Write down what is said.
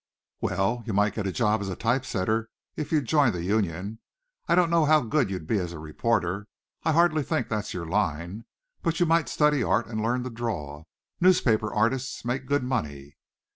"Well, you might get a job as type setter if you'd join the union. I don't know how good you'd be as a reporter I hardly think that's your line. But you might study art and learn to draw. Newspaper artists make good money."